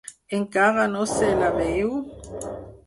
Encara no se la veu?